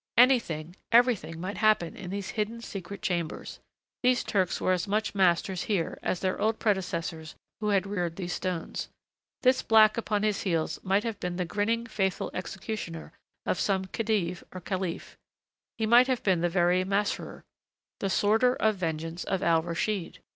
Anything, everything might happen in these hidden, secret chambers. These Turks were as much masters here as their old predecessors who had reared these stones. This black upon his heels might have been the grinning, faithful executioner of some Khedive or Caliph he might have been the very Masrur, the Sworder of Vengeance of Al Raschid.